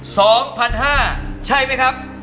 ๒๕๐๐ใช่ไหมครับ